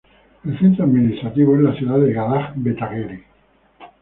El centro administrativo es la ciudad de Gadag-Betageri.